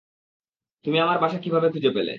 তুমি আমার বাসা কিভাবে খুঁজে পেলে?